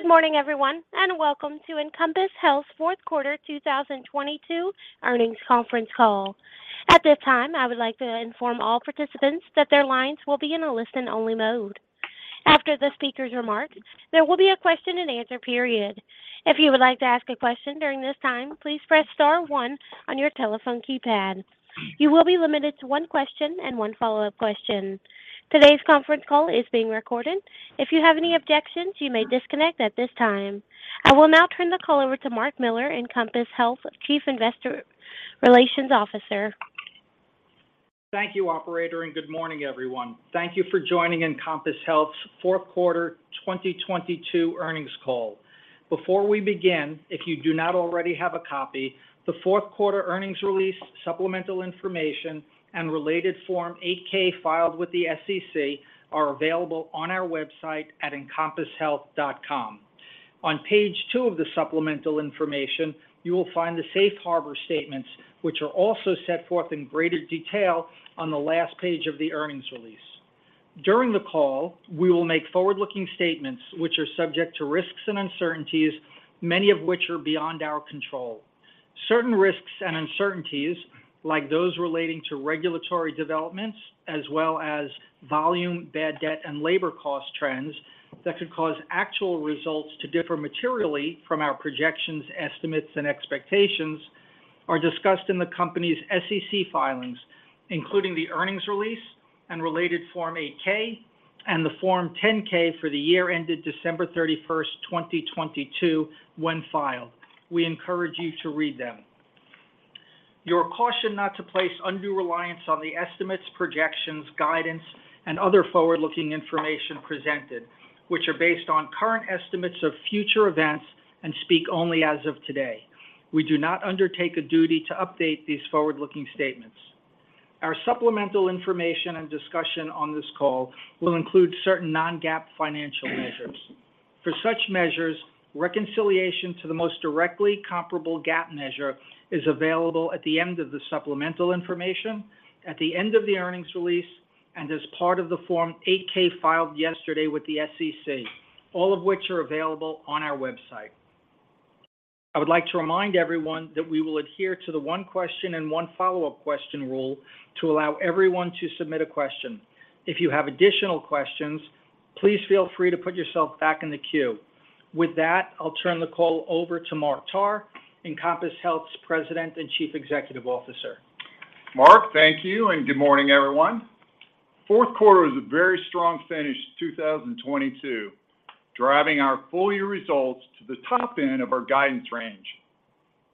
Good morning, everyone, and welcome to Encompass Health's fourth quarter 2022 earnings conference call. At this time, I would like to inform all participants that their lines will be in a listen-only mode. After the speaker's remarks, there will be a question-and-answer period. If you would like to ask a question during this time, please press star one on your telephone keypad. You will be limited to one question and one follow-up question. Today's conference call is being recorded. If you have any objections, you may disconnect at this time. I will now turn the call over to Mark Miller, Encompass Health Chief Investor Relations Officer. Thank you, operator, and good morning, everyone. Thank you for joining Encompass Health's fourth quarter 2022 earnings call. Before we begin, if you do not already have a copy, the fourth quarter earnings release, supplemental information, and related Form 8-K filed with the SEC are available on our website at encompasshealth.com. On page two of the supplemental information, you will find the safe harbor statements, which are also set forth in greater detail on the last page of the earnings release. During the call, we will make forward-looking statements which are subject to risks and uncertainties, many of which are beyond our control. Certain risks and uncertainties, like those relating to regulatory developments, as well as volume, bad debt, and labor cost trends that could cause actual results to differ materially from our projections, estimates, and expectations are discussed in the company's SEC filings, including the earnings release and related Form 8-K and the Form 10-K for the year ended December 31st, 2022 when filed. We encourage you to read them. You are cautioned not to place undue reliance on the estimates, projections, guidance, and other forward-looking information presented, which are based on current estimates of future events and speak only as of today. We do not undertake a duty to update these forward-looking statements. Our supplemental information and discussion on this call will include certain non-GAAP financial measures. For such measures, reconciliation to the most directly comparable GAAP measure is available at the end of the supplemental information, at the end of the earnings release, and as part of the Form 8-K filed yesterday with the SEC, all of which are available on our website. I would like to remind everyone that we will adhere to the one question and one follow-up question rule to allow everyone to submit a question. If you have additional questions, please feel free to put yourself back in the queue. With that, I'll turn the call over to Mark Tarr, Encompass Health's President and Chief Executive Officer. Mark, thank you, and good morning, everyone. Fourth quarter was a very strong finish to 2022, driving our full-year results to the top end of our guidance range.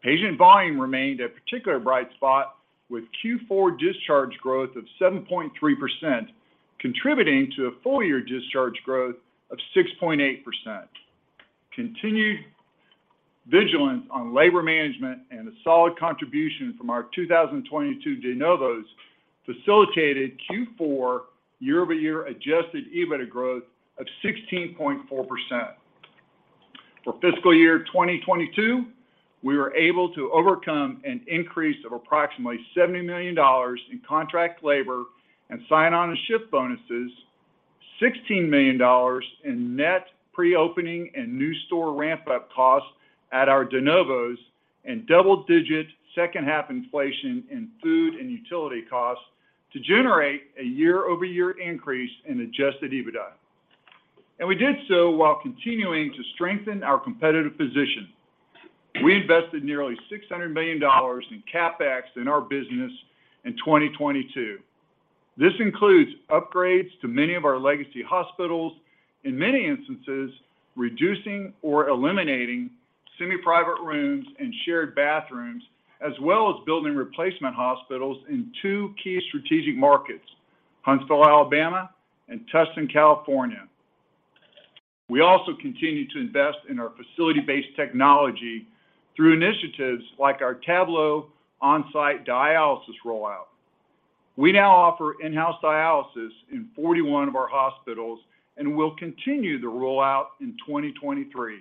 Patient volume remained a particular bright spot with Q4 discharge growth of 7.3%, contributing to a full-year discharge growth of 6.8%. Continued vigilance on labor management and a solid contribution from our 2022 De novos facilitated Q4 year-over-year Adjusted EBITDA growth of 16.4%. For fiscal year 2022, we were able to overcome an increase of approximately $70 million in contract labor and sign-on-and-shift bonuses, $16 million in net pre-opening and new store ramp-up costs at our De novos, and double-digit second-half inflation in food and utility costs to generate a year-over-year increase in Adjusted EBITDA. We did so while continuing to strengthen our competitive position. We invested nearly $600 million in CapEx in our business in 2022. This includes upgrades to many of our legacy hospitals, in many instances, reducing or eliminating semi-private rooms and shared bathrooms, as well as building replacement hospitals in two key strategic markets, Huntsville, Alabama, and Tustin, California. We also continue to invest in our facility-based technology through initiatives like our Tablo on-site dialysis rollout. We now offer in-house dialysis in 41 of our hospitals and will continue the rollout in 2023.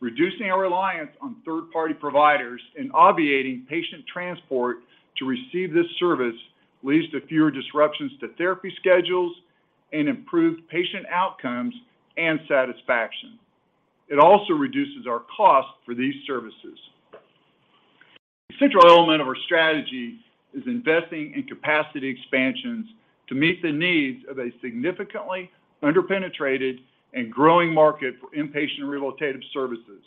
Reducing our reliance on third-party providers and obviating patient transport to receive this service leads to fewer disruptions to therapy schedules and improved patient outcomes and satisfaction. It also reduces our cost for these services. A central element of our strategy is investing in capacity expansions to meet the needs of a significantly under-penetrated and growing market for inpatient rehabilitative services.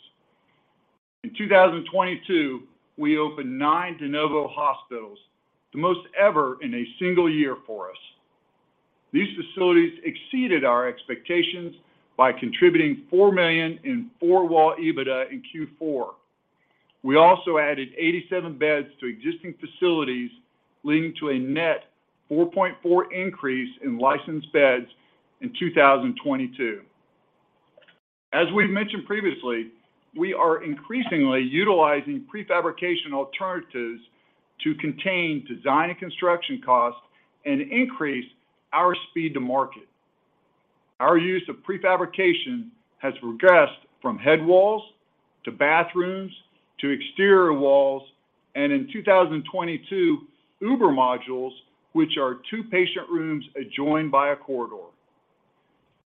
In 2022, we opened nine De novo hospitals, the most ever in a single year for us. These facilities exceeded our expectations by contributing $4 million in four-wall EBITDA in Q4. We also added 87 beds to existing facilities, leading to a net 4.4 increase in licensed beds in 2022. As we've mentioned previously, we are increasingly utilizing prefabrication alternatives to contain design and construction costs and increase our speed to market. Our use of prefabrication has progressed from head walls to bathrooms, to exterior walls, and in 2022, Uber Modules, which are two-patient rooms adjoined by a corridor.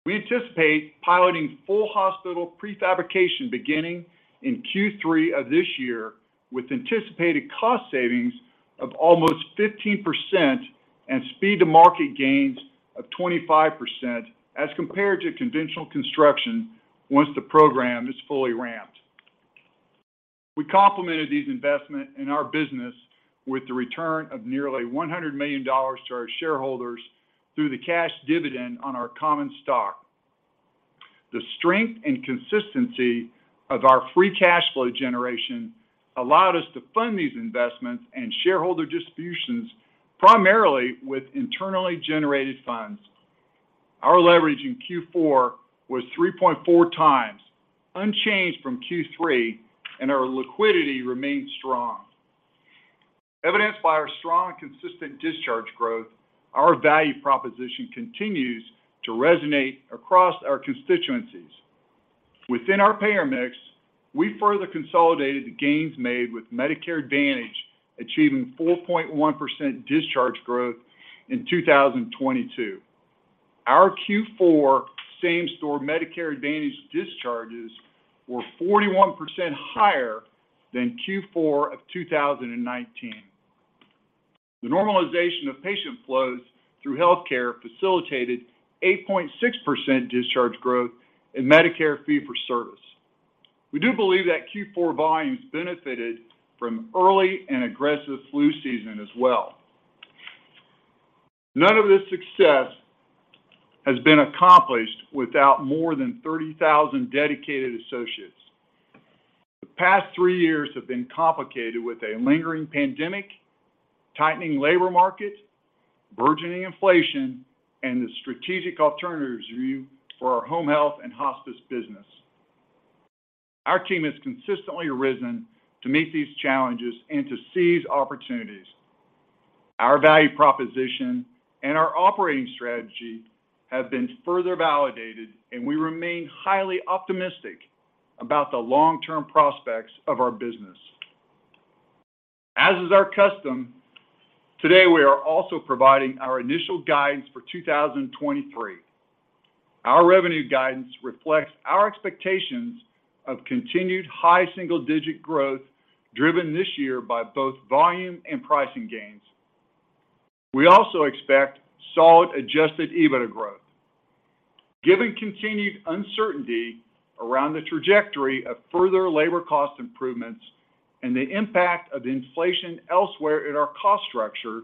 We anticipate piloting full hospital prefabrication beginning in Q3 of this year, with anticipated cost savings of almost 15% and speed to market gains of 25% as compared to conventional construction once the program is fully ramped. We complemented these investment in our business with the return of nearly $100 million to our shareholders through the cash dividend on our common stock. The strength and consistency of our free cash flow generation allowed us to fund these investments and shareholder distributions primarily with internally generated funds. Our leverage in Q4 was 3.4x, unchanged from Q3, and our liquidity remains strong. Evidenced by our strong and consistent discharge growth, our value proposition continues to resonate across our constituencies. Within our payer mix, we further consolidated the gains made with Medicare Advantage, achieving 4.1% discharge growth in 2022. Our Q4 same store Medicare Advantage discharges were 41% higher than Q4 of 2019. The normalization of patient flows through healthcare facilitated 8.6% discharge growth in Medicare Fee-For-Service. We do believe that Q4 volumes benefited from early and aggressive flu season as well. None of this success has been accomplished without more than 30,000 dedicated associates. The past three years have been complicated with a lingering pandemic, tightening labor market, burgeoning inflation, and the strategic alternatives review for our home health and hospice business. Our team has consistently risen to meet these challenges and to seize opportunities. Our value proposition and our operating strategy have been further validated, and we remain highly optimistic about the long-term prospects of our business. As is our custom, today we are also providing our initial guidance for 2023. Our revenue guidance reflects our expectations of continued high-single digit growth driven this year by both volume and pricing gains. We also expect solid Adjusted EBITDA growth. Given continued uncertainty around the trajectory of further labor cost improvements and the impact of inflation elsewhere in our cost structure,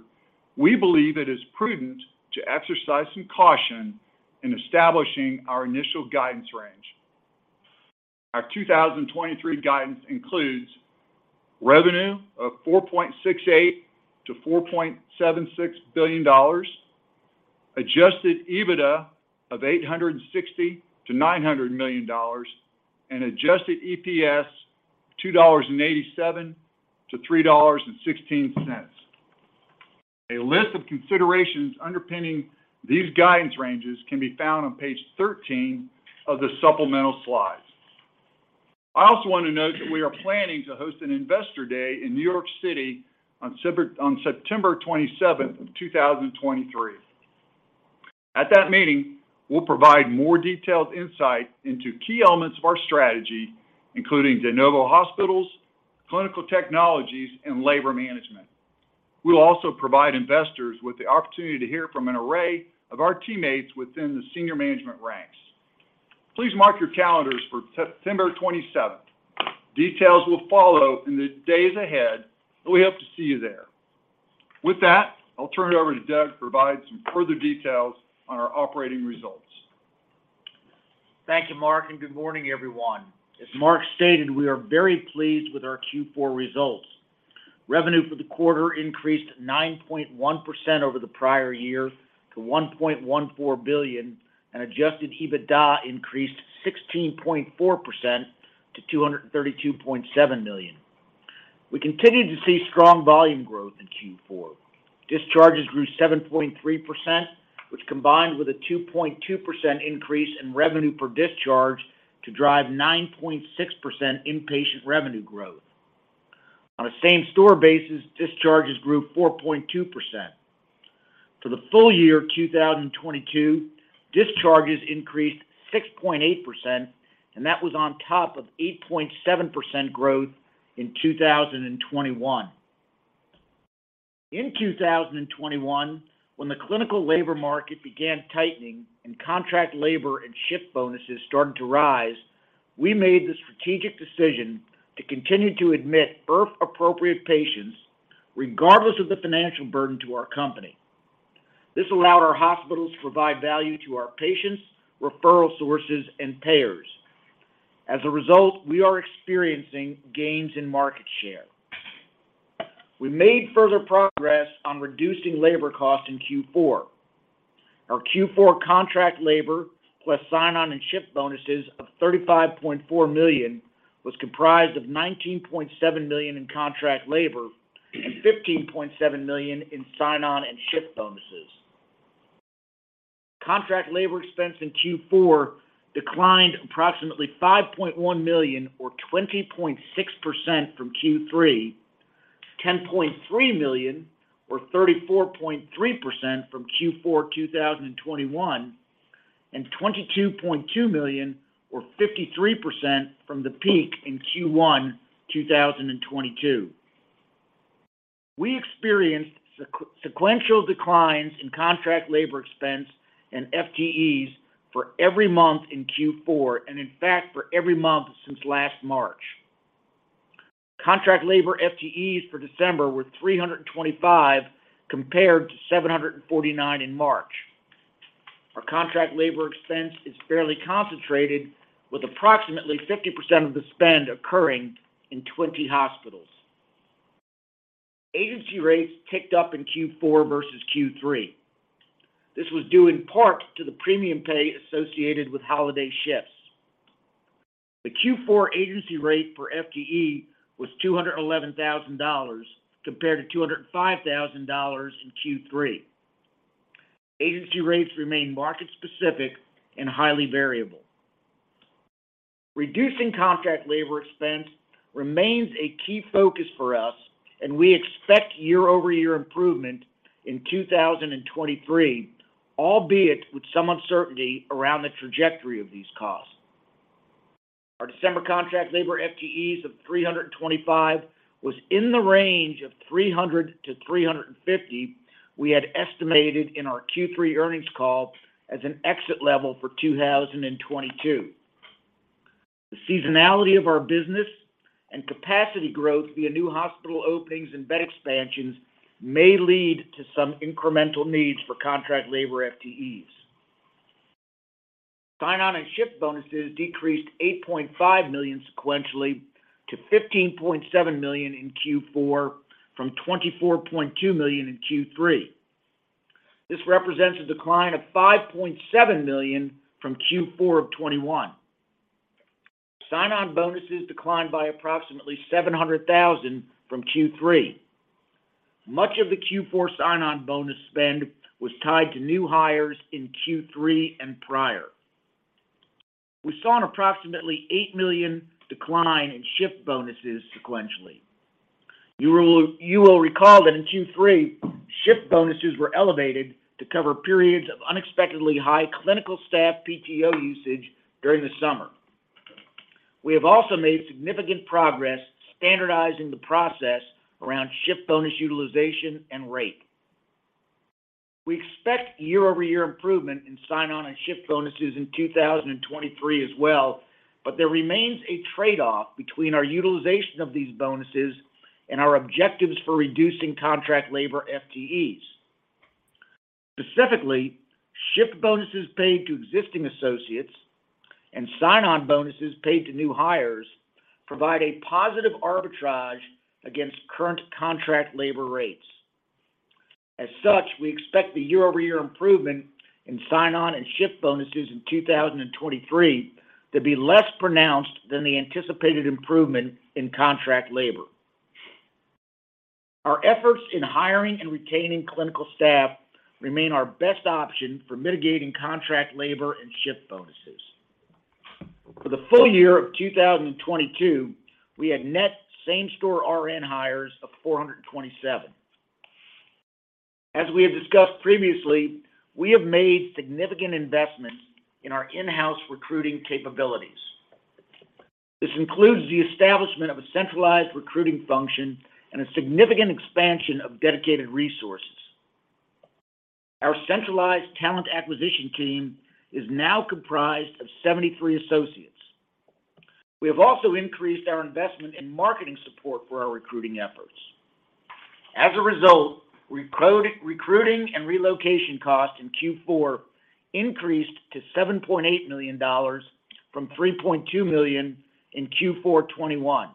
we believe it is prudent to exercise some caution in establishing our initial guidance range. Our 2023 guidance includes revenue of $4.68 billion-$4.76 billion, Adjusted EBITDA of $860 million-$900 million, and Adjusted EPS of $2.87-$3.16. A list of considerations underpinning these guidance ranges can be found on page 13 of the supplemental slides. I also want to note that we are planning to host an investor day in New York City on September 27th, 2023. At that meeting, we'll provide more detailed insight into key elements of our strategy, including De novo hospitals, clinical technologies, and labor management. We'll also provide investors with the opportunity to hear from an array of our teammates within the senior management ranks. Please mark your calendars for September 27th. Details will follow in the days ahead. We hope to see you there. With that, I'll turn it over to Douglas to provide some further details on our operating results. Thank you, Mark, and good morning, everyone. As Mark stated, we are very pleased with our Q4 results. Revenue for the quarter increased 9.1% over the prior year to $1.14 billion, and Adjusted EBITDA increased 16.4% to $232.7 million. We continued to see strong volume growth in Q4. Discharges grew 7.3%, which combined with a 2.2% increase in revenue per discharge to drive 9.6% inpatient revenue growth. On a same-store basis, discharges grew 4.2%. For the full year 2022, discharges increased 6.8%, and that was on top of 8.7% growth in 2021. In 2021, when the clinical labor market began tightening and contract labor and shift bonuses started to rise, we made the strategic decision to continue to admit IRF-appropriate patients regardless of the financial burden to our company. This allowed our hospitals to provide value to our patients, referral sources, and payers. As a result, we are experiencing gains in market share. We made further progress on reducing labor costs in Q4. Our Q4 contract labor plus sign-on and shift bonuses of $35.4 million was comprised of $19.7 million in contract labor and $15.7 million in sign-on and shift bonuses. Contract labor expense in Q4 declined approximately $5.1 million or 20.6% from Q3, $10.3 million or 34.3% from Q4 2021, and $22.2 million or 53% from the peak in Q1 2022. We experienced sequential declines in contract labor expense and FTEs for every month in Q4, and in fact, for every month since last March. Contract labor FTEs for December were 325 compared to 749 in March. Our contract labor expense is fairly concentrated with approximately 50% of the spend occurring in 20 hospitals. Agency rates ticked up in Q4 versus Q3. This was due in part to the premium pay associated with holiday shifts. The Q4 agency rate for FTE was $211,000 compared to $205,000 in Q3. Agency rates remain market specific and highly variable. Reducing contract labor expense remains a key focus for us, and we expect year-over-year improvement in 2023, albeit with some uncertainty around the trajectory of these costs. Our December contract labor FTEs of 325 was in the range of 300-350 we had estimated in our Q3 earnings call as an exit level for 2022. The seasonality of our business and capacity growth via new hospital openings and bed expansions may lead to some incremental needs for contract labor FTEs. Sign-on and shift bonuses decreased $8.5 million sequentially to $15.7 million in Q4 from $24.2 million in Q3. This represents a decline of $5.7 million from Q4 of 2021. Sign-on bonuses declined by approximately $700,000 from Q3. Much of the Q4 sign-on bonus spend was tied to new hires in Q3 and prior. We saw an approximately $8 million decline in shift bonuses sequentially. You will recall that in Q3, shift bonuses were elevated to cover periods of unexpectedly high clinical staff PTO usage during the summer. We have also made significant progress standardizing the process around shift bonus utilization and rate. We expect year-over-year improvement in sign-on and shift bonuses in 2023 as well, but there remains a trade-off between our utilization of these bonuses and our objectives for reducing contract labor FTEs. Specifically, shift bonuses paid to existing associates and sign-on bonuses paid to new hires provide a positive arbitrage against current contract labor rates. As such, we expect the year-over-year improvement in sign-on and shift bonuses in 2023 to be less pronounced than the anticipated improvement in contract labor. Our efforts in hiring and retaining clinical staff remain our best option for mitigating contract labor and shift bonuses. For the full year of 2022, we had net same store RN hires of 427. As we have discussed previously, we have made significant investments in our in-house recruiting capabilities. This includes the establishment of a centralized recruiting function and a significant expansion of dedicated resources. Our centralized talent acquisition team is now comprised of 73 associates. We have also increased our investment in marketing support for our recruiting efforts. As a result, recruiting and relocation costs in Q4 increased to $7.8 million from $3.2 million in Q4 2021.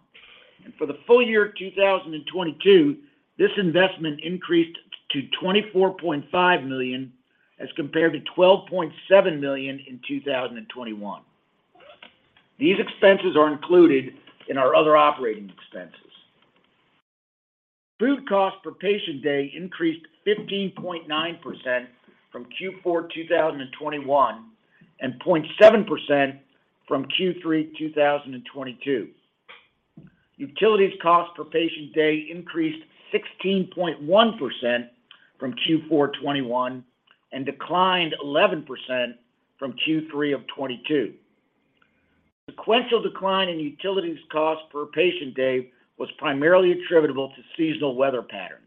For the full year 2022, this investment increased to $24.5 million as compared to $12.7 million in 2021. These expenses are included in our other operating expenses. Food cost per patient day increased 15.9% from Q4 2021, and 0.7% from Q3 2022. Utilities cost per patient day increased 16.1% from Q4 2021 and declined 11% from Q3 of 2022. Sequential decline in utilities cost per patient day was primarily attributable to seasonal weather patterns.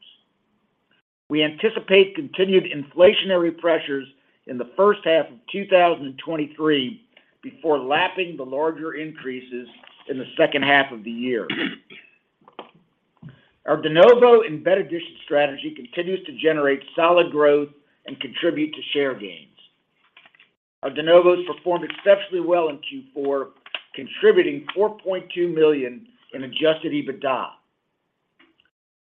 We anticipate continued inflationary pressures in the first half of 2023 before lapping the larger increases in the second half of the year. Our De novo and bed addition strategy continues to generate solid growth and contribute to share gains. Our De novos performed exceptionally well in Q4, contributing $4.2 million in Adjusted EBITDA.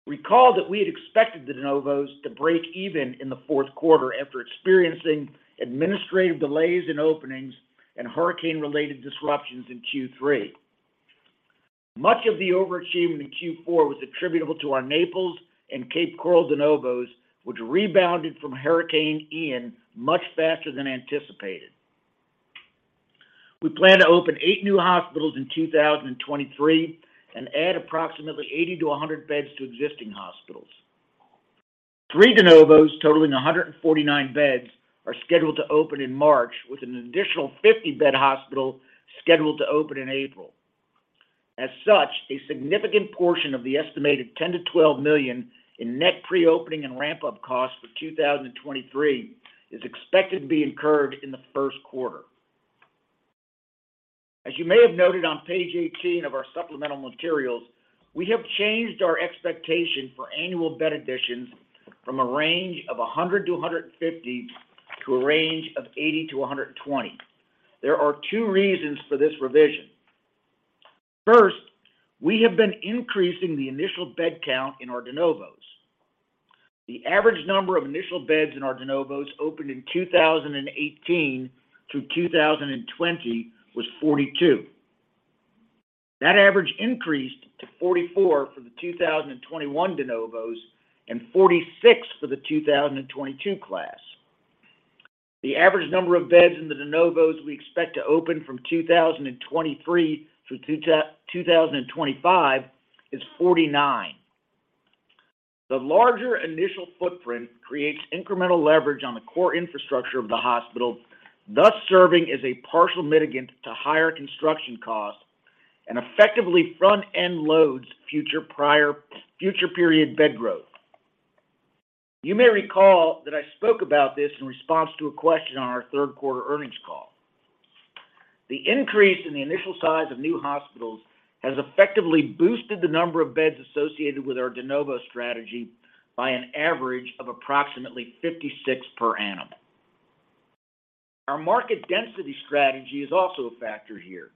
Recall that we had expected the De novos to break even in the fourth quarter after experiencing administrative delays in openings and hurricane-related disruptions in Q3. Much of the overachievement in Q4 was attributable to our Naples and Cape Coral De novos, which rebounded from Hurricane Ian much faster than anticipated. We plan to open eight new hospitals in 2023 and add approximately 80 beds-100 beds to existing hospitals. Three De novos, totaling 149 beds, are scheduled to open in March, with an additional 50-bed hospital scheduled to open in April. As such, a significant portion of the estimated $10 million-$12 million in net pre-opening and ramp-up costs for 2023 is expected to be incurred in the first quarter. As you may have noted on page 18 of our supplemental materials, we have changed our expectation for annual bed additions from a range of 100-150 to a range of 80-120. There are two reasons for this revision. First, we have been increasing the initial bed count in our De novos. The average number of initial beds in our De novos opened in 2018 through 2020 was 42. That average increased to 44 for the 2021 De novos and 46 for the 2022 class. The average number of beds in the De novos we expect to open from 2023 through 2025 is 49. The larger initial footprint creates incremental leverage on the core infrastructure of the hospital, thus serving as a partial mitigant to higher construction costs and effectively front-end loads future period bed growth. You may recall that I spoke about this in response to a question on our third quarter earnings call. The increase in the initial size of new hospitals has effectively boosted the number of beds associated with our De novo strategy by an average of approximately 56 per annum. Our market density strategy is also a factor here.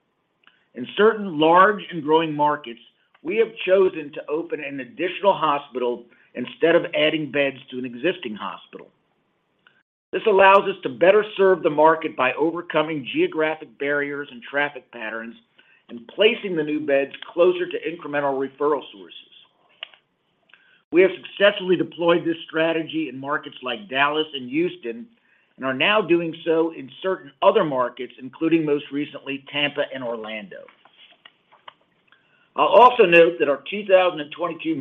In certain large and growing markets, we have chosen to open an additional hospital instead of adding beds to an existing hospital. This allows us to better serve the market by overcoming geographic barriers and traffic patterns and placing the new beds closer to incremental referral sources. We have successfully deployed this strategy in markets like Dallas and Houston, and are now doing so in certain other markets, including most recently, Tampa and Orlando. I'll also note that our 2022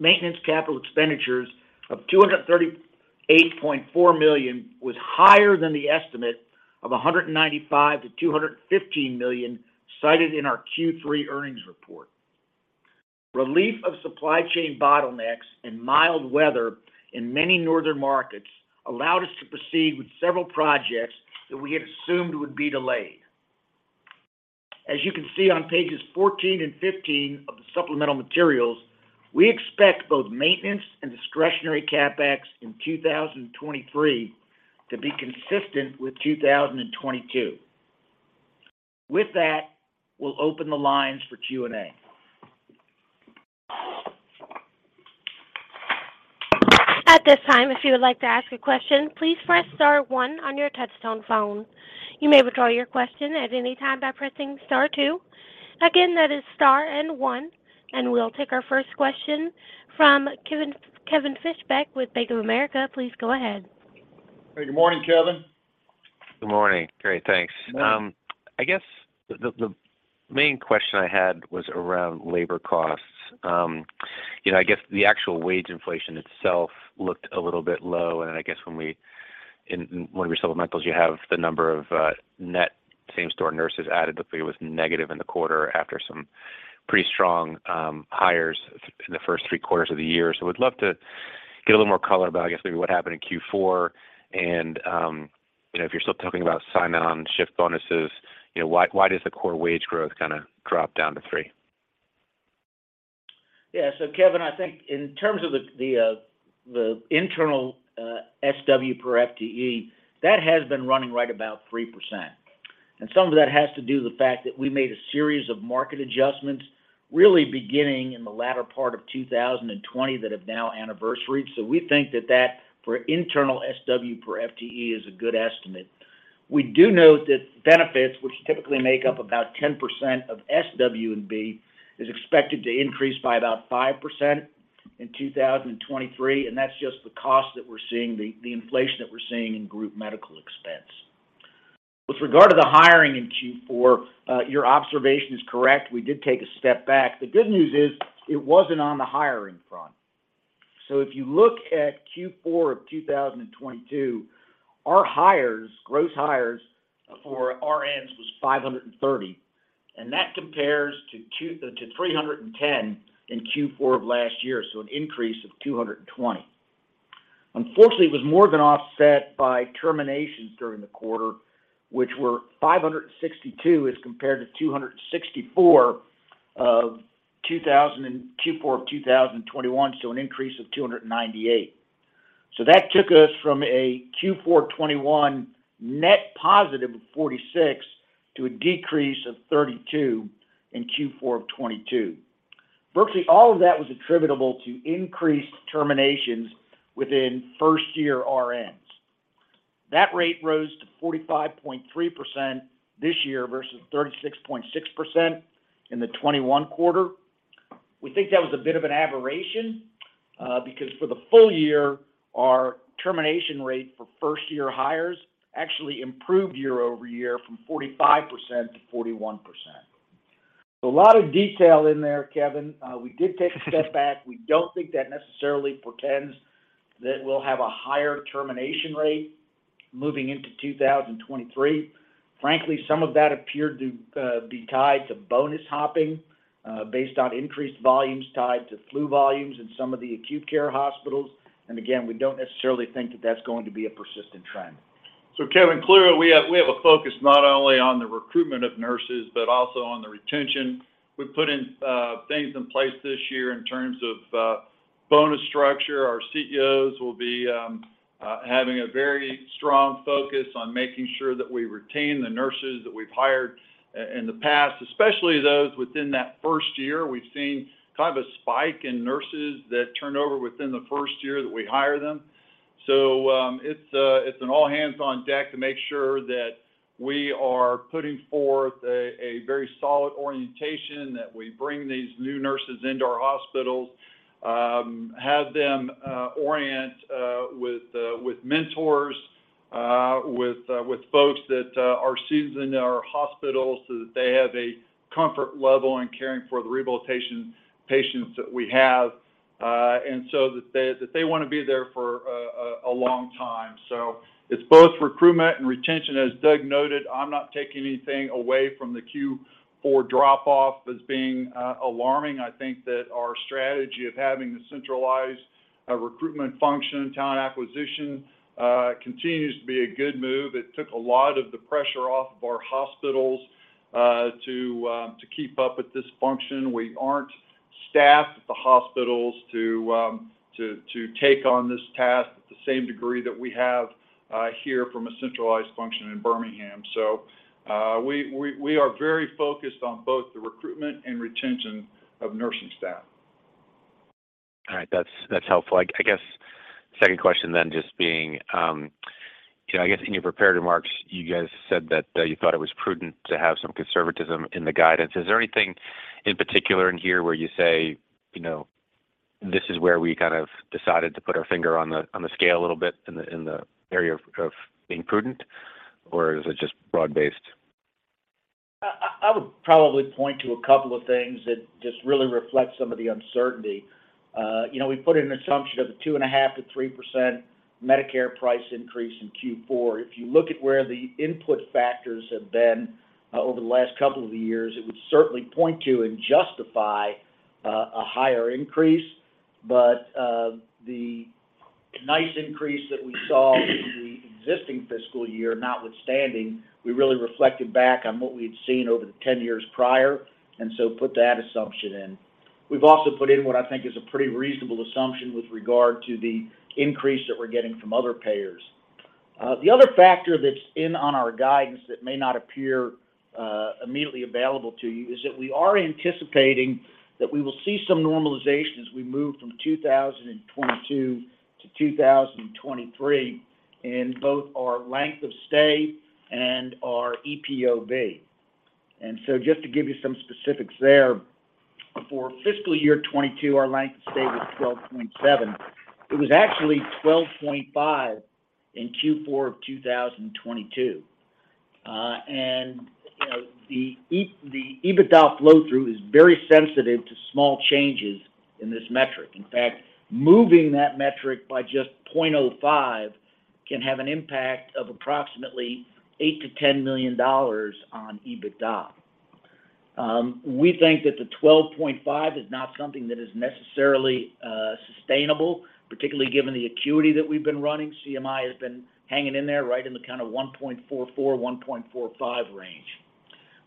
maintenance CapEx of $238.4 million was higher than the estimate of $195 million-$215 million cited in our Q3 earnings report. Relief of supply chain bottlenecks and mild weather in many northern markets allowed us to proceed with several projects that we had assumed would be delayed. As you can see on pages 14 and 15 of the supplemental materials, we expect both maintenance and discretionary CapEx in 2023 to be consistent with 2022. With that, we'll open the lines for Q&A. At this time, if you would like to ask a question, please press star one on your touch tone phone. You may withdraw your question at any time by pressing star two. Again, that is star and one. We'll take our first question from Kevin Fischbeck with Bank of America. Please go ahead. Good morning, Kevin. Good morning. Great. Thanks. I guess the main question I had was around labor costs. You know, I guess the actual wage inflation itself looked a little bit low, and I guess in one of your supplementals, you have the number of net same store nurses added, I believe, was negative in the Q4 after some pretty strong hires in the first three quarters of the year. Would love to get a little more color about, I guess, maybe what happened in Q4, and you know, if you're still talking about sign-on shift bonuses. You know, why does the core wage growth kind of drop down to three? Yeah. Kevin, I think in terms of the internal SW per FTE, that has been running right about 3%. Some of that has to do with the fact that we made a series of market adjustments, really beginning in the latter part of 2020 that have now anniversaried. We think that that, for internal SW per FTE, is a good estimate. We do note that benefits, which typically make up about 10% of SWB, is expected to increase by about 5% in 2023, and that's just the cost that we're seeing, the inflation that we're seeing in group medical expense. With regard to the hiring in Q4, your observation is correct. We did take a step back. The good news is, it wasn't on the hiring front. If you look at Q4 of 2022, our hires, gross hires for RNs was 530, and that compares to 310 in Q4 of last year. An increase of 220. Unfortunately, it was more than offset by terminations during the quarter, which were 562 as compared to 264 of Q4 of 2021. An increase of 298. That took us from a Q4 2021 net positive of 46 to a decrease of 32 in Q4 of 2022. Virtually all of that was attributable to increased terminations within first year RNs. That rate rose to 45.3% this year versus 36.6% in the 2021 quarter. We think that was a bit of an aberration, because for the full year, our termination rate for first-year hires actually improved year-over-year from 45% to 41%. A lot of detail in there, Kevin. We did take a step back. We don't think that necessarily portends that we'll have a higher termination rate moving into 2023. Frankly, some of that appeared to be tied to bonus hopping, based on increased volumes tied to flu volumes in some of the acute care hospitals. Again, we don't necessarily think that that's going to be a persistent trend. Kevin, clearly, we have a focus not only on the recruitment of nurses, but also on the retention. We've put in things in place this year in terms of bonus structure. Our CEOs will be having a very strong focus on making sure that we retain the nurses that we've hired in the past, especially those within that first year. We've seen kind of a spike in nurses that turn over within the first year that we hire them. It's an all hands on deck to make sure that we are putting forth a very solid orientation, that we bring these new nurses into our hospitals, have them orient with mentors, with folks that are seasoned in our hospitals so that they have a comfort level in caring for the rehabilitation patients that we have, and so that they wanna be there for a long time. It's both recruitment and retention. As Doug noted, I'm not taking anything away from the Q4 drop-off as being alarming. I think that our strategy of having the centralized recruitment function and talent acquisition continues to be a good move. It took a lot of the pressure off of our hospitals to keep up with this function. We aren't staffed at the hospitals to take on this task at the same degree that we have here from a centralized function in Birmingham. We are very focused on both the recruitment and retention of nursing staff. All right. That's helpful. I guess second question then just being, you know, I guess in your prepared remarks, you guys said that you thought it was prudent to have some conservatism in the guidance. Is there anything in particular in here where you say, you know, "This is where we kind of decided to put our finger on the scale a little bit in the area of being prudent," or is it just broad-based? I would probably point to a couple of things that just really reflect some of the uncertainty. You know, we put in an assumption of the 2.5%-3% Medicare price increase in Q4. If you look at where the input factors have been over the last couple of years, it would certainly point to and justify a higher increase. The nice increase that we saw in the existing fiscal year notwithstanding, we really reflected back on what we'd seen over the 10 years prior, and so put that assumption in. We've also put in what I think is a pretty reasonable assumption with regard to the increase that we're getting from other payers. The other factor that's in on our guidance that may not appear immediately available to you is that we are anticipating that we will see some normalization as we move from 2022 to 2023 in both our length of stay and our EPOB. Just to give you some specifics there, for fiscal year 2022, our length of stay was 12.7. It was actually 12.5 in Q4 of 2022. And, you know, the EBITDA flow-through is very sensitive to small changes in this metric. In fact, moving that metric by just 0.05 can have an impact of approximately $8 million-$10 million on EBITDA. We think that the 12.5 is not something that is necessarily sustainable, particularly given the acuity that we've been running. CMI has been hanging in there right in the kind of 1.44-1.45 range.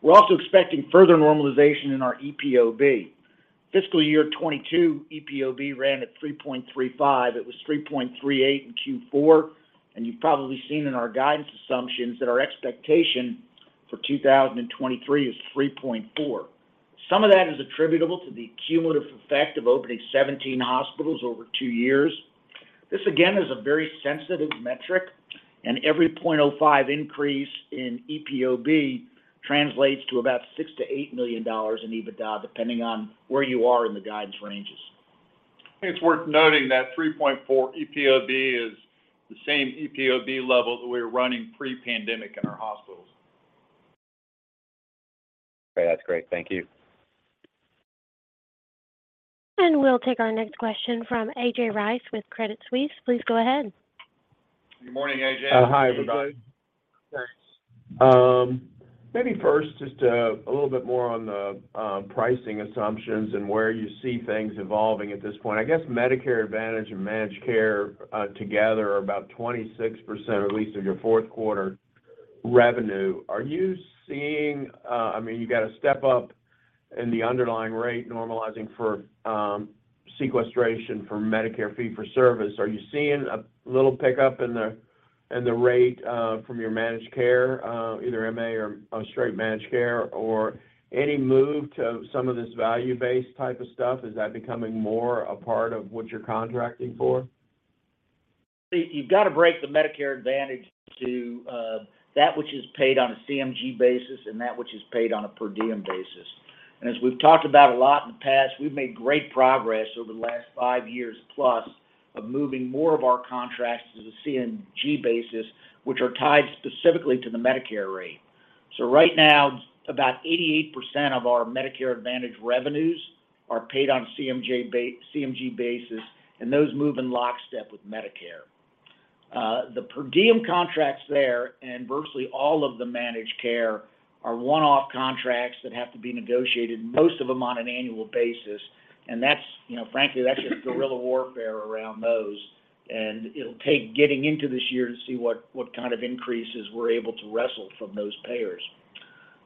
We're also expecting further normalization in our EPOB. Fiscal year 2022 EPOB ran at 3.35. It was 3.38 in Q4, and you've probably seen in our guidance assumptions that our expectation for 2023 is 3.4. Some of that is attributable to the cumulative effect of opening 17 hospitals over two years. This, again, is a very sensitive metric, and every 0.05 increase in EPOB translates to about $6 million-$8 million in EBITDA, depending on where you are in the guidance ranges. I think it's worth noting that 3.4 EPOB is the same EPOB level that we were running pre-pandemic in our hospitals. Great. That's great. Thank you. We'll take our next question from A.J. Rice with Credit Suisse. Please go ahead. Good morning, AJ. Hi, everybody. Thanks. Maybe first, just a little bit more on the pricing assumptions and where you see things evolving at this point. I guess Medicare Advantage and Managed Care together are about 26% at least of your fourth quarter revenue. Are you seeing you got a step-up in the underlying rate normalizing for sequestration for Medicare Fee-For-Service? Are you seeing a little pickup in the rate from your Managed Care either MA or straight Managed Care, or any move to some of this value-based type of stuff? Is that becoming more a part of what you're contracting for? You've got to break the Medicare Advantage to that which is paid on a CMG basis and that which is paid on a per diem basis. As we've talked about a lot in the past, we've made great progress over the last 5 years+ of moving more of our contracts to the CMG basis, which are tied specifically to the Medicare rate. Right now, about 88% of our Medicare Advantage revenues are paid on CMG basis, and those move in lockstep with Medicare. The per diem contracts there and virtually all of the managed care are one-off contracts that have to be negotiated, most of them on an annual basis. That's, you know, frankly, that's just guerrilla warfare around those. It'll take getting into this year to see what kind of increases we're able to wrestle from those payers.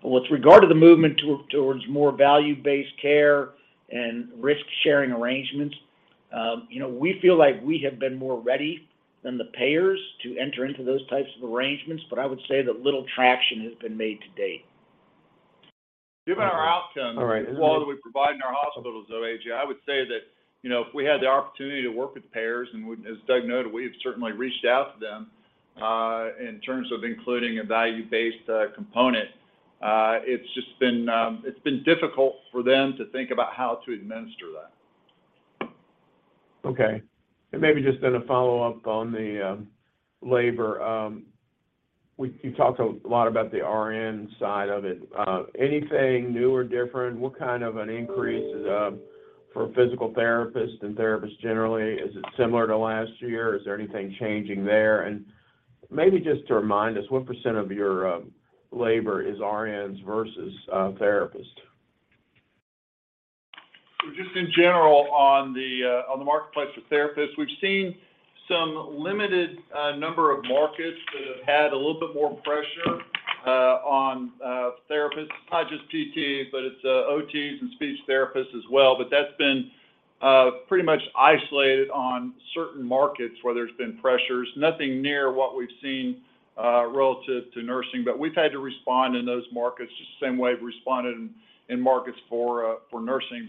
With regard to the movement towards more value-based care and risk-sharing arrangements, you know, we feel like we have been more ready than the payers to enter into those types of arrangements, but I would say that little traction has been made to date. Given our outcomes. All right. As well as we provide in our hospitals, though, A.J., I would say that, you know, if we had the opportunity to work with payers, and as Douglas noted, we have certainly reached out to them, in terms of including a value-based component. It's just been difficult for them to think about how to administer that. Okay. Maybe just then a follow-up on the labor. You talked a lot about the RN side of it. Anything new or different? What kind of an increase for physical therapists and therapists generally? Is it similar to last year? Is there anything changing there? Maybe just to remind us, what percent of your labor is RNs versus therapists? Just in general, on the marketplace for therapists, we've seen some limited number of markets that have had a little bit more pressure on therapists. Not just PT, but it's OTs and speech therapists as well. That's been pretty much isolated on certain markets where there's been pressures. Nothing near what we've seen relative to nursing. We've had to respond in those markets the same way we responded in markets for nursing.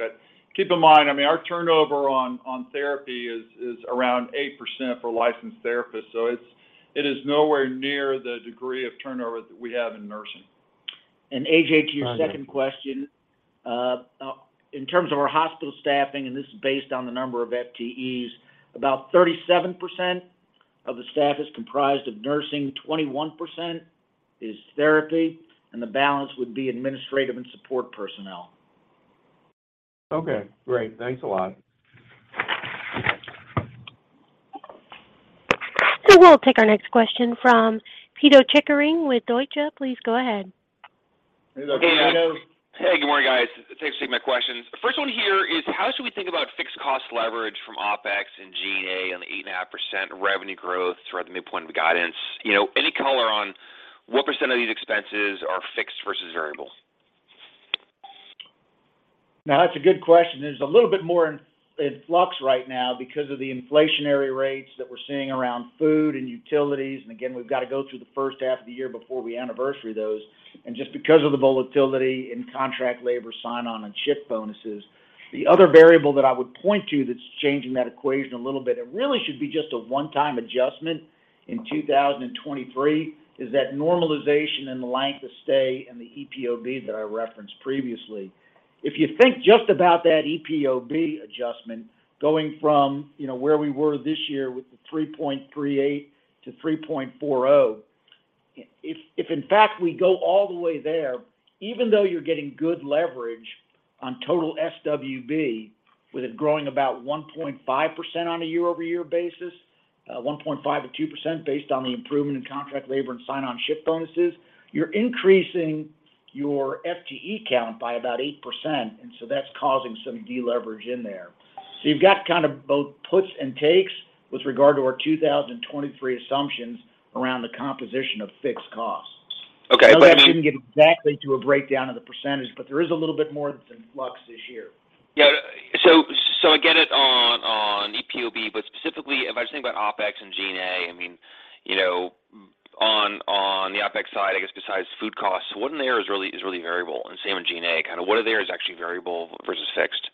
Keep in mind, I mean, our turnover on therapy is around 8% for licensed therapists, so it's, it is nowhere near the degree of turnover that we have in nursing. A.J., to your second question, in terms of our hospital staffing, and this is based on the number of FTEs, about 37% of the staff is comprised of nursing, 21% is therapy, and the balance would be administrative and support personnel. Okay, great. Thanks a lot. We'll take our next question from Pito Chickering with Deutsche. Please go ahead. Hey, Pito. Hey. Hey, good morning, guys. Thanks for taking my questions. The first one here is, how should we think about fixed cost leverage from OpEx and G&A on the 8.5% revenue growth throughout the midpoint of the guidance? You know, any color on what % of these expenses are fixed versus variable? That's a good question. It's a little bit more in flux right now because of the inflationary rates that we're seeing around food and utilities. Again, we've got to go through the first half of the year before we anniversary those. Just because of the volatility in contract labor sign-on and shift bonuses. The other variable that I would point to that's changing that equation a little bit, it really should be just a one-time adjustment in 2023, is that normalization in the length of stay and the EPOB that I referenced previously. If you think just about that EPOB adjustment going from, you know, where we were this year with the 3.38-3.40, if in fact we go all the way there, even though you're getting good leverage on total SWB, with it growing about 1.5% on a year-over-year basis, 1.5%-2% based on the improvement in contract labor and sign-on shift bonuses, you're increasing your FTE count by about 8%, that's causing some deleverage in there. You've got kind of both puts and takes with regard to our 2023 assumptions around the composition of fixed costs. Okay. I mean. I couldn't get exactly to a breakdown of the percentage, but there is a little bit more that's in flux this year. I get it on EPOB, specifically, if I just think about OpEx and G&A, I mean, you know, on the OpEx side, I guess besides food costs, what in there is really variable? The same in G&A. Kind of what in there is actually variable versus fixed?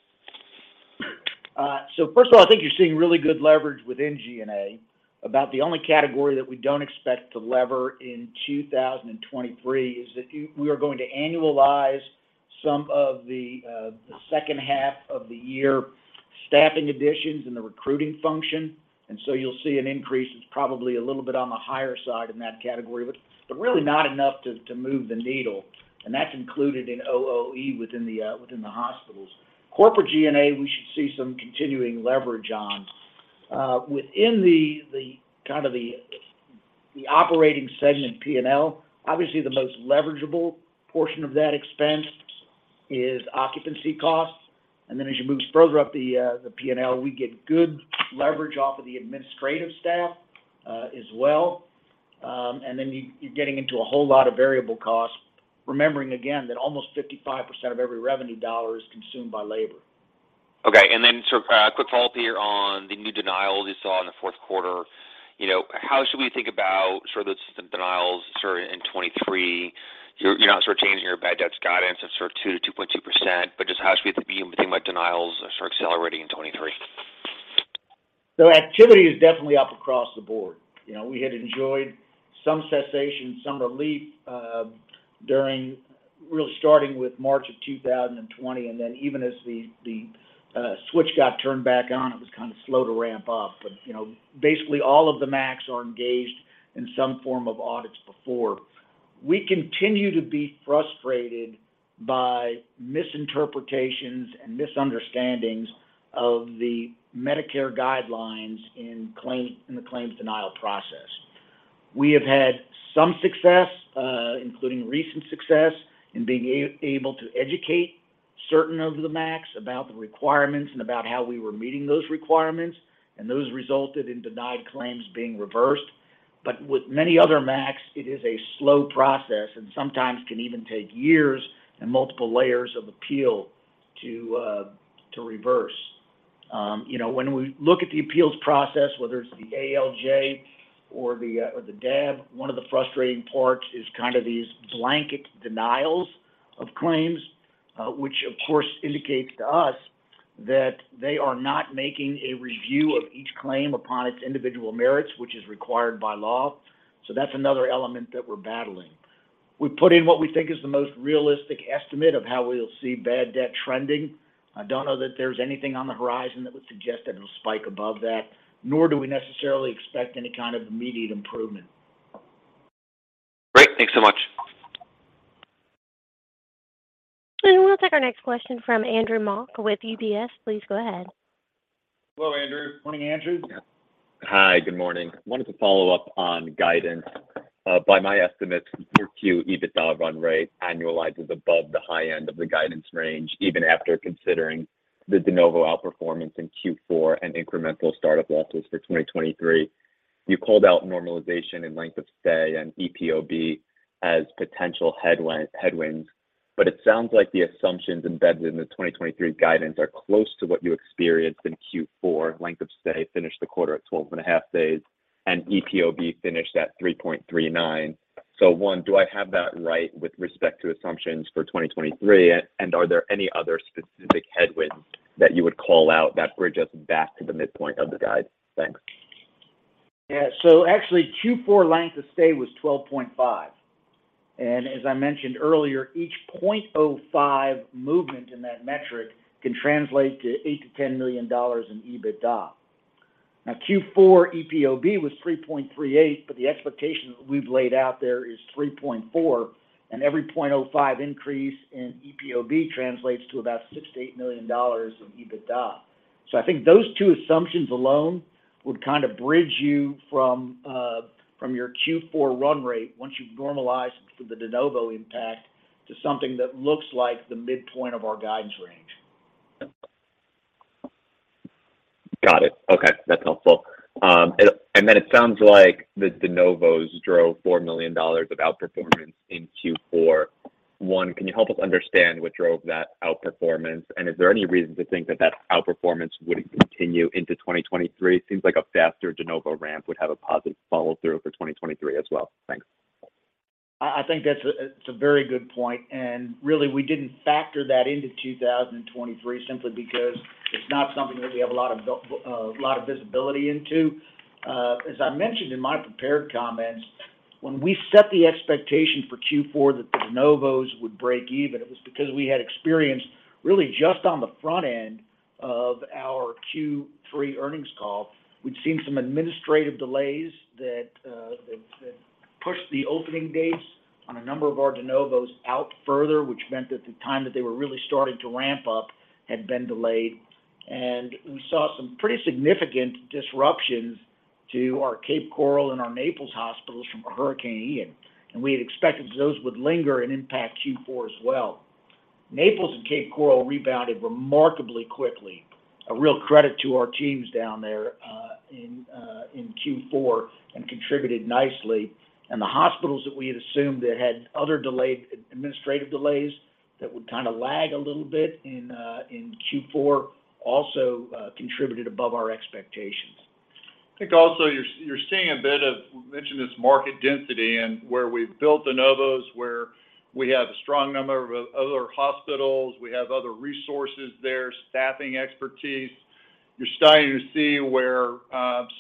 First of all, I think you're seeing really good leverage within G&A. About the only category that we don't expect to lever in 2023 is we are going to annualize some of the second half of the year staffing additions and the recruiting function. You'll see an increase that's probably a little bit on the higher side in that category, but really not enough to move the needle. And that's included in OOE within the hospitals. Corporate G&A, we should see some continuing leverage on. Within the kind of the operating segment P&L, obviously the most leverageable portion of that expense is occupancy costs. As you move further up the P&L, we get good leverage off of the administrative staff as well. You, you're getting into a whole lot of variable costs, remembering again that almost 55% of every revenue dollar is consumed by labor. Okay. Then sort of a quick follow-up here on the new denials you saw in the fourth quarter. You know, how should we think about sort of the system denials sort of in 2023? You're not sort of changing your bad debts guidance of sort of 2%-2.2%, but just how should we be thinking about denials sort of accelerating in 2023? Activity is definitely up across the board. You know, we had enjoyed some cessation, some relief, really starting with March of 2020, and then even as the switch got turned back on, it was kind of slow to ramp up. You know, basically all of the MACs are engaged in some form of audits before. We continue to be frustrated by misinterpretations and misunderstandings of the Medicare guidelines in the claims denial process. We have had some success, including recent success in being able to educate certain of the MACs about the requirements and about how we were meeting those requirements, and those resulted in denied claims being reversed. With many other MACs, it is a slow process and sometimes can even take years and multiple layers of appeal to reverse. You know, when we look at the appeals process, whether it's the ALJ or the DAB, one of the frustrating parts is kind of these blanket denials of claims, which of course indicates to us that they are not making a review of each claim upon its individual merits, which is required by law. That's another element that we're battling. We put in what we think is the most realistic estimate of how we'll see bad debt trending. I don't know that there's anything on the horizon that would suggest that it'll spike above that, nor do we necessarily expect any kind of immediate improvement. Great. Thanks so much. We'll take our next question from Andrew Mok with UBS. Please go ahead. Hello, Andrew. Morning, Andrew. Hi, good morning. Wanted to follow up on guidance. By my estimates, the 4Q EBITDA run rate annualizes above the high end of the guidance range, even after considering the De novo outperformance in Q4 and incremental startup losses for 2023. You called out normalization in length of stay and EPOB as potential headwinds, but it sounds like the assumptions embedded in the 2023 guidance are close to what you experienced in Q4. Length of stay finished the quarter at 12.5 days, and EPOB finished at 3.39. One, do I have that right with respect to assumptions for 2023, and are there any other specific headwinds that you would call out that bridge us back to the midpoint of the guide? Thanks. Actually, Q4 length of stay was 12.5. As I mentioned earlier, each 0.05 movement in that metric can translate to $8 million-$10 million in EBITDA. Q4 EPOB was 3.38, but the expectation we've laid out there is 3.4, and every 0.05 increase in EPOB translates to about $6 million-$8 million in EBITDA. I think those two assumptions alone would kind of bridge you from your Q4 run rate once you've normalized for the De novo impact to something that looks like the midpoint of our guidance range. Got it. Okay. That's helpful. Then it sounds like the De novos drove $4 million of outperformance in Q4. Can you help us understand what drove that outperformance, and is there any reason to think that that outperformance would continue into 2023? Seems like a faster De novo ramp would have a positive follow-through for 2023 as well. Thanks. I think that's a, it's a very good point, and really, we didn't factor that into 2023 simply because it's not something that we have a lot of visibility into. As I mentioned in my prepared comments, when we set the expectation for Q4 that the De novos would break even, it was because we had experienced really just on the front end of our Q3 earnings call. We'd seen some administrative delays that pushed the opening dates on a number of our De novos out further, which meant that the time that they were really starting to ramp up had been delayed. We saw some pretty significant disruptions to our Cape Coral and our Naples hospitals from Hurricane Ian, and we had expected those would linger and impact Q4 as well. Naples and Cape Coral rebounded remarkably quickly, a real credit to our teams down there, in Q4 and contributed nicely. The hospitals that we had assumed that had other administrative delays that would kinda lag a little bit in Q4 also contributed above our expectations. I think also you're seeing a bit of, we mentioned this market density and where we've built De novos, where we have a strong number of other hospitals. We have other resources there, staffing expertise. You're starting to see where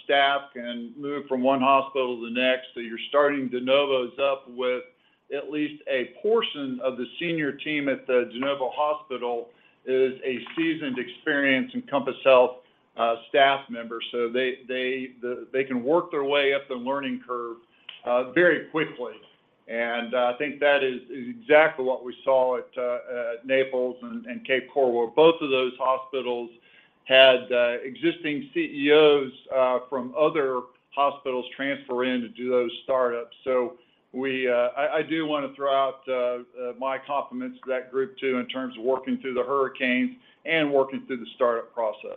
staff can move from one hospital to the next. You're starting De novos up with at least a portion of the senior team at the De novo hospital is a seasoned, experienced Encompass Health staff member. They can work their way up the learning curve very quickly. I think that is exactly what we saw at Naples and Cape Coral, where both of those hospitals had existing CEOs from other hospitals transfer in to do those startups. We, I do wanna throw out my compliments to that group too in terms of working through the hurricanes and working through the startup process.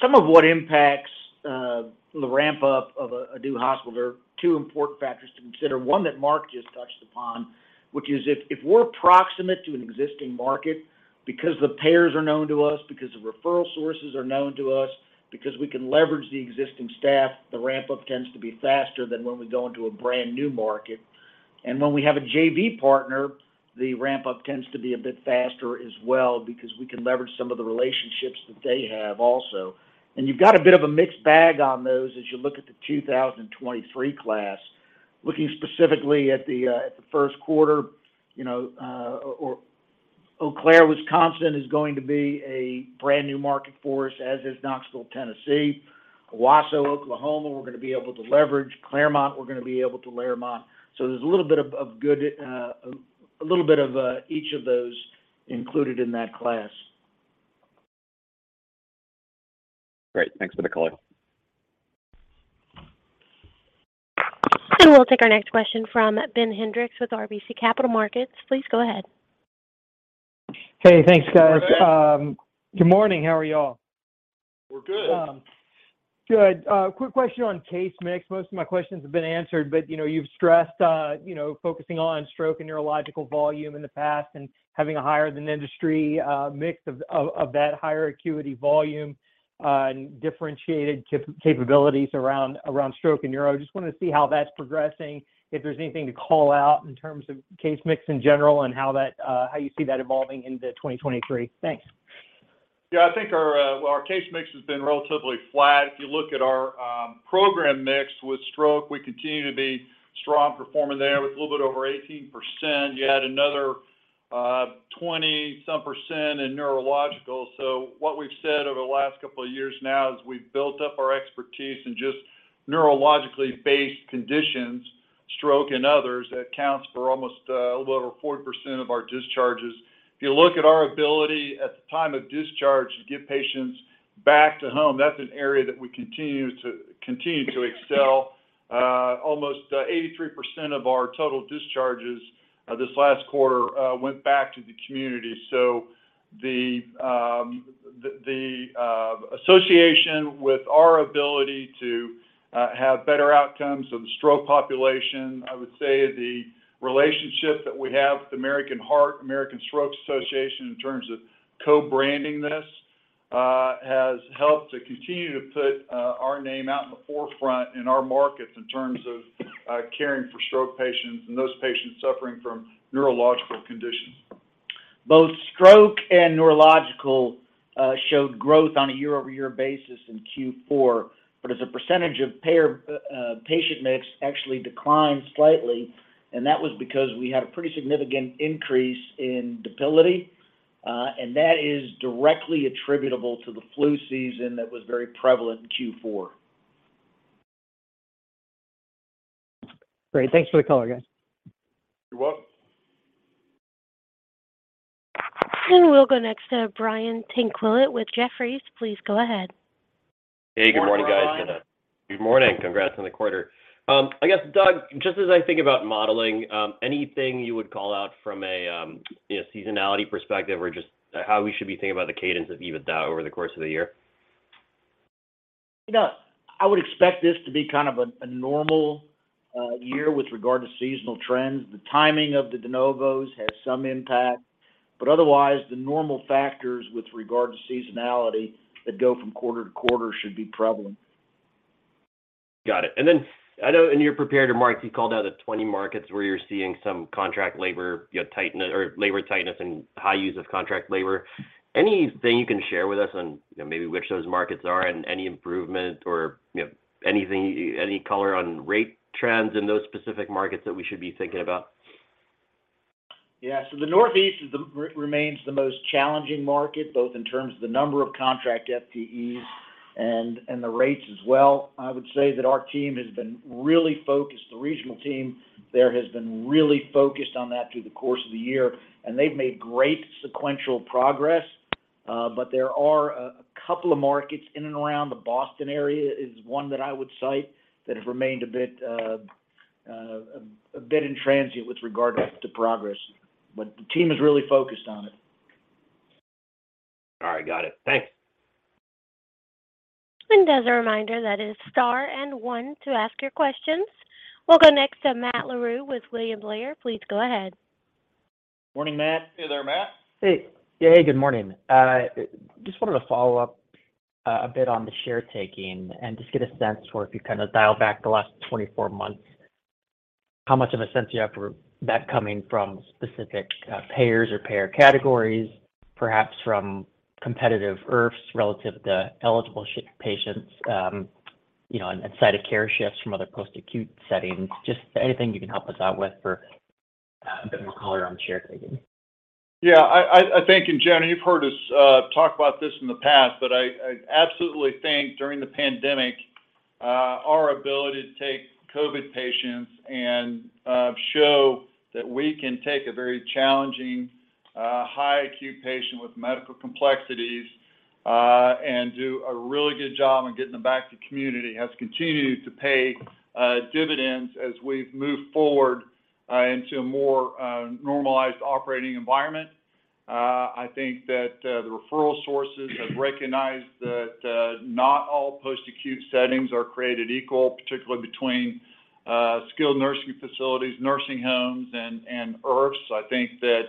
Some of what impacts the ramp-up of a new hospital, there are two important factors to consider. One that Mark just touched upon, which is if we're proximate to an existing market, because the payers are known to us, because the referral sources are known to us, because we can leverage the existing staff, the ramp-up tends to be faster than when we go into a brand-new market. When we have a JV partner, the ramp up tends to be a bit faster as well because we can leverage some of the relationships that they have also. You've got a bit of a mixed bag on those as you look at the 2023 class. Looking specifically at the 1st quarter, you know, Eau Claire, Wisconsin, is going to be a brand new market for us, as is Knoxville, Tennessee, Owasso, Oklahoma, We're gonna be able to leverage. Clermont, we're gonna be able to leverage. There's a little bit of good, a little bit of each of those included in that class. Great. Thanks for the call. We'll take our next question from Ben Hendrix with RBC Capital Markets. Please go ahead. Hey, thanks guys. Good morning. Good morning. How are you all? We're good. Good. Quick question on case mix. Most of my questions have been answered, but, you know, you've stressed, you know, focusing on stroke and neurological volume in the past and having a higher than industry mix of that higher acuity volume and differentiated capabilities around stroke and neuro. Just wanted to see how that's progressing, if there's anything to call out in terms of case mix in general and how that, how you see that evolving into 2023? Thanks. I think our, well, our case mix has been relatively flat. If you look at our program mix with stroke, we continue to be strong performing there with a little bit over 18%. You add another, 20-some percent in neurological. What we've said over the last couple of years now is we've built up our expertise in just neurologically based conditions, stroke and others, that accounts for almost, a little over 40% of our discharges. If you look at our ability at the time of discharge to get patients back to home, that's an area that we continue to excel. Almost 83% of our total discharges, this last quarter, went back to the community. The association with our ability to have better outcomes of the stroke population, I would say the relationship that we have with American Heart Association, American Stroke Association in terms of co-branding this has helped to continue to put our name out in the forefront in our markets in terms of caring for stroke patients and those patients suffering from neurological conditions. Both stroke and neurological showed growth on a year-over-year basis in Q4. As a percentage of payer patient mix, actually declined slightly, and that was because we had a pretty significant increase in debility, and that is directly attributable to the flu season that was very prevalent in Q4. Great. Thanks for the color, guys. You're welcome. We'll go next to Brian Tanquilut with Jefferies. Please go ahead. Hey, good morning guys. Good morning. Good morning. Congrats on the quarter. I guess, Doug, just as I think about modeling, anything you would call out from a, you know, seasonality perspective or just how we should be thinking about the cadence of EBITDA over the course of the year? You know, I would expect this to be kind of a normal year with regard to seasonal trends. The timing of the De novos has some impact, but otherwise, the normal factors with regard to seasonality that go from quarter to quarter should be prevalent. Got it. I know in your prepared remarks, you called out the 20 markets where you're seeing some contract labor, you know, tighten or labor tightness and high use of contract labor. Anything you can share with us on, you know, maybe which those markets are and any improvement or, you know, anything, any color on rate trends in those specific markets that we should be thinking about? Yeah. The Northeast is the remains the most challenging market, both in terms of the number of contract FTEs and the rates as well. I would say that our team has been really focused, the regional team there has been really focused on that through the course of the year, and they've made great sequential progress. There are a couple of markets in and around the Boston area is one that I would cite that have remained a bit in transit with regard to progress. The team is really focused on it. All right. Got it. Thanks. As a reminder, that is star and one to ask your questions. We'll go next to Matt Larew with William Blair. Please go ahead. Morning, Matt. Hey there, Matt. Hey. Yeah, hey, good morning. Just wanted to follow up a bit on the share taking and just get a sense for if you kind of dial back the last 24 months, how much of a sense do you have for that coming from specific payers or payer categories, perhaps from competitive IRFs relative to eligible patients, you know, and site of care shifts from other post-acute settings. Just anything you can help us out with for a bit more color on share taking? I think, in general, you've heard us talk about this in the past, but I absolutely think during the pandemic, our ability to take COVID patients and show that we can take a very challenging, high acute patient with medical complexities, and do a really good job in getting them back to community has continued to pay dividends as we've moved forward into a more normalized operating environment. I think that the referral sources have recognized that not all post-acute settings are created equal, particularly between skilled nursing facilities, nursing homes and IRFs. I think that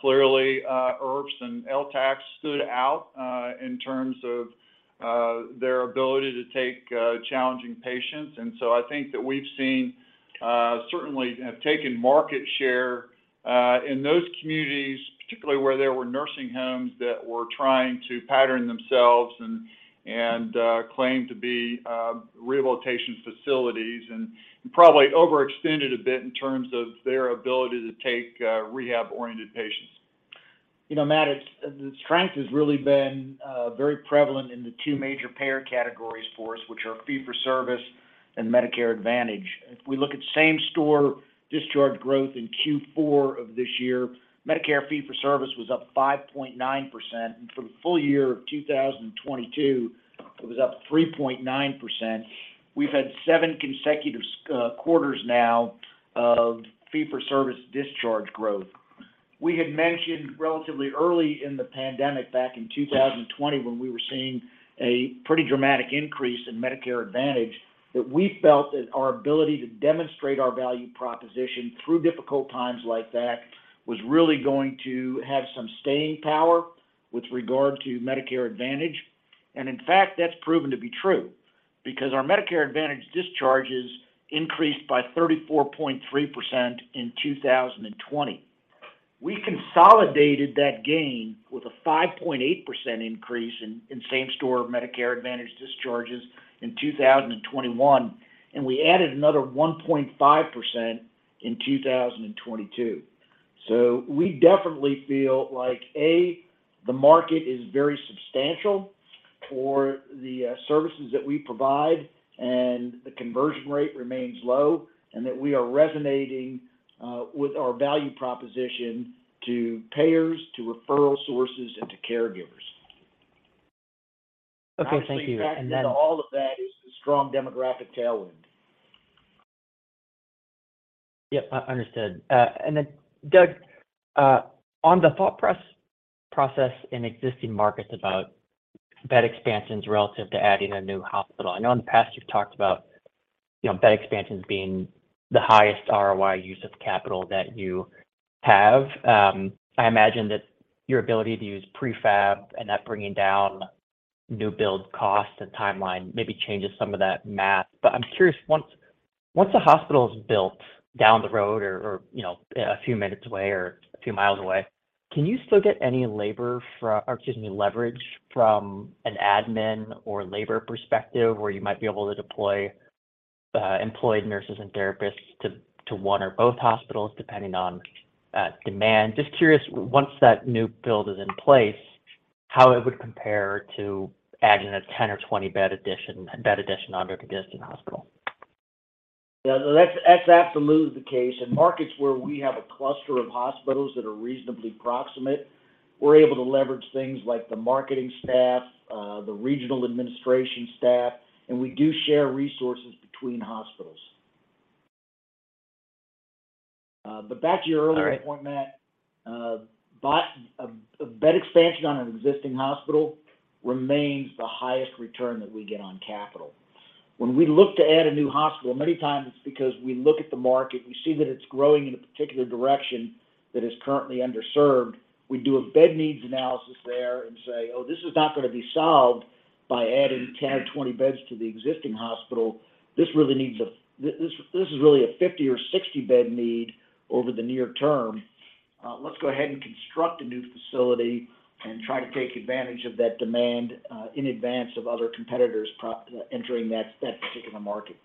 clearly IRFs and LTACHs stood out in terms of their ability to take challenging patients. I think that we've seen, certainly have taken market share, in those communities, particularly where there were nursing homes that were trying to pattern themselves. And claim to be rehabilitation facilities and probably overextended a bit in terms of their ability to take rehab-oriented patients. You know, Matt, the strength has really been very prevalent in the two major payer categories for us, which are Fee-For-Service and Medicare Advantage. If we look at same store discharge growth in Q4 of this year, Medicare Fee-For-Service was up 5.9%. For the full year of 2022, it was up 3.9%. We've had seven consecutive quarters now of Fee-For-Service discharge growth. We had mentioned relatively early in the pandemic back in 2020, when we were seeing a pretty dramatic increase in Medicare Advantage, that we felt that our ability to demonstrate our value proposition through difficult times like that was really going to have some staying power with regard to Medicare Advantage. In fact, that's proven to be true because our Medicare Advantage discharges increased by 34.3% in 2020. We consolidated that gain with a 5.8% increase in same store Medicare Advantage discharges in 2021. We added another 1.5% in 2022. We definitely feel like, A, the market is very substantial for the services that we provide and the conversion rate remains low, and that we are resonating with our value proposition to payers, to referral sources, and to caregivers. Okay. Thank you. Obviously, factored into all of that is the strong demographic tailwind. Yep. Understood. Douglas, on the thought process in existing markets about bed expansions relative to adding a new hospital. I know in the past you've talked about, you know, bed expansions being the highest ROI use of capital that you have. I imagine that your ability to use prefab and that bringing down new build cost and timeline maybe changes some of that math. I'm curious, once the hospital is built down the road or, you know, a few minutes away or a few miles away, can you still get any labor from or excuse me, leverage from an admin or labor perspective where you might be able to deploy employed nurses and therapists to one or both hospitals depending on demand? Just curious, once that new build is in place, how it would compare to adding a 10 bed or 20 bed addition onto the existing hospital? Yeah. No, that's absolutely the case. In markets where we have a cluster of hospitals that are reasonably proximate, we're able to leverage things like the marketing staff, the regional administration staff, and we do share resources between hospitals. Back to your earlier point, Matt. All right. A bed expansion on an existing hospital remains the highest return that we get on capital. When we look to add a new hospital, many times it's because we look at the market, we see that it's growing in a particular direction that is currently underserved. We do a bed needs analysis there and say, "Oh, this is not going to be solved by adding 10 beds or 20 beds to the existing hospital. This is really a 50 bed or 60-bed need over the near term. Let's go ahead and construct a new facility and try to take advantage of that demand in advance of other competitors entering that particular market.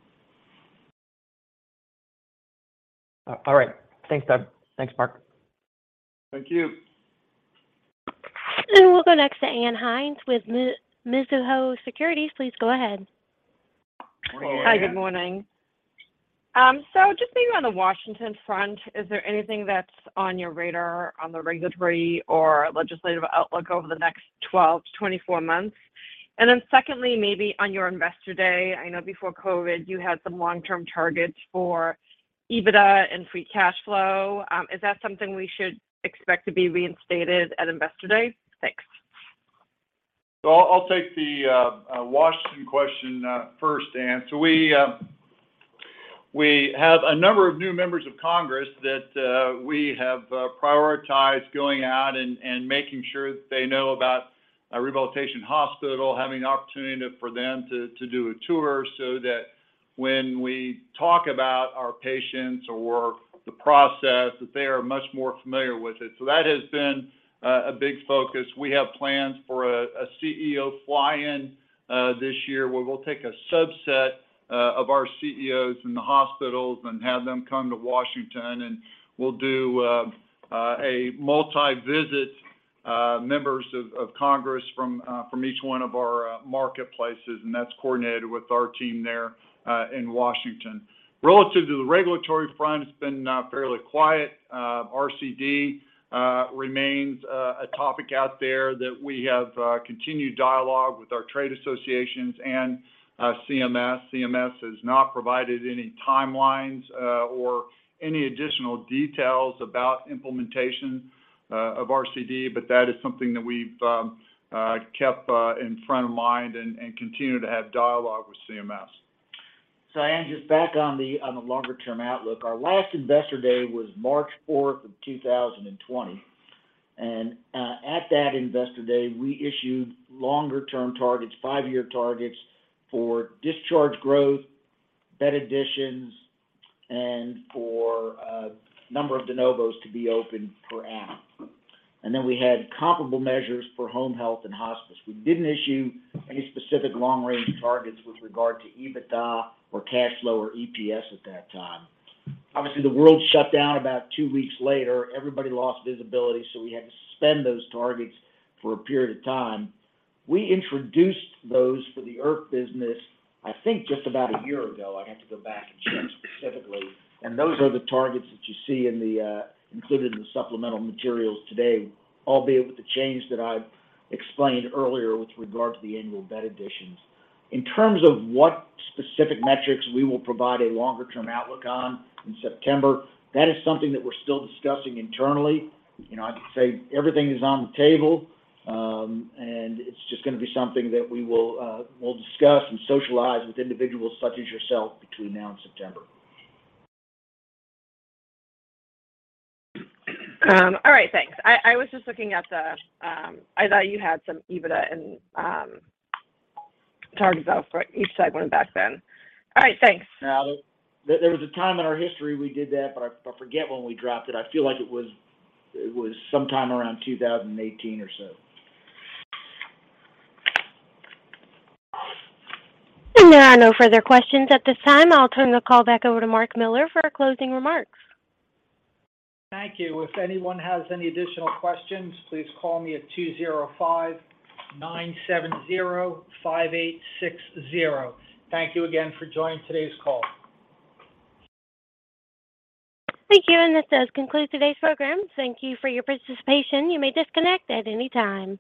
All right. Thanks, Douglas. Thanks, Mark. Thank you. We'll go next to Ann Hynes with Mizuho Securities. Please go ahead. Morning, Ann. Hi. Good morning. Just maybe on the Washington front, is there anything that's on your radar on the regulatory or legislative outlook over the next 12 months-24 months? Secondly, maybe on your Investor Day. I know before COVID, you had some long-term targets for EBITDA and free cash flow. Is that something we should expect to be reinstated at Investor Day? Thanks. I'll take the Washington question first, Ann Hynes. We have a number of new members of Congress that we have prioritized going out and making sure that they know about our rehabilitation hospital, having an opportunity for them to do a tour so that when we talk about our patients or the process, that they are much more familiar with it. That has been a big focus. We have plans for a CEO fly-in this year, where we'll take a subset of our CEOs from the hospitals and have them come to Washington. We'll do a multi-visit members of Congress from each one of our marketplaces, and that's coordinated with our team there in Washington. Relative to the regulatory front, it's been fairly quiet. RCD remains a topic out there that we have continued dialogue with our trade associations and CMS. CMS has not provided any timelines or any additional details about implementation of RCD. That is something that we've kept in front of mind and continue to have dialogue with CMS. Ann, just back on the longer-term outlook. Our last Investor Day was March 4, 2020. At that investor day, we issued longer-term targets, five-year targets for discharge growth, bed additions, and for number of De novos to be opened per annum. Then we had comparable measures for home health and hospice. We didn't issue any specific long-range targets with regard to EBITDA or cash flow or EPS at that time. Obviously, the world shut down about two weeks later. Everybody lost visibility, we had to suspend those targets for a period of time. We introduced those for the IRF business, I think, just about a year ago. I'd have to go back and check specifically. Those are the targets that you see in the included in the supplemental materials today, albeit with the change that I explained earlier with regard to the annual bed additions. In terms of what specific metrics we will provide a longer-term outlook on in September, that is something that we're still discussing internally. You know, I'd say everything is on the table, and it's just gonna be something that we will, we'll discuss and socialize with individuals such as yourself between now and September. All right, thanks. I was just looking at the, I thought you had some EBITDA and targets out for each segment back then. All right, thanks. Now, there was a time in our history we did that, but I forget when we dropped it. I feel like it was sometime around 2018 or so. There are no further questions at this time. I'll turn the call back over to Mark Miller for our closing remarks. Thank you. If anyone has any additional questions, please call me at 205-970-5860. Thank you again for joining today's call. Thank you. This does conclude today's program. Thank you for your participation. You may disconnect at any time.